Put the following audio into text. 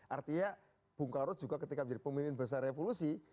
artinya bung karno juga ketika menjadi pemimpin besar revolusi